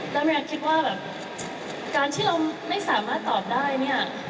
แล้วมารียาก็คิดว่าการที่เราไม่สามารถตอบได้